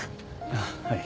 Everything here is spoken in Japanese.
あっはい。